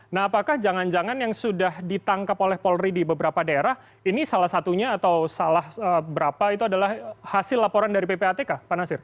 nah apakah jangan jangan yang sudah ditangkap oleh polri di beberapa daerah ini salah satunya atau salah berapa itu adalah hasil laporan dari ppatk pak nasir